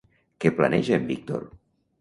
Què planeja en Víctor?